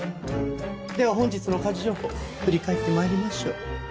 では本日の家事情報振り返って参りましょう。